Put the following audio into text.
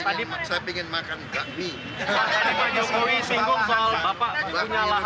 kalian jangan besar besaran